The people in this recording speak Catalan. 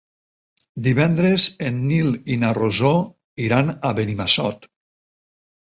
Divendres en Nil i na Rosó iran a Benimassot.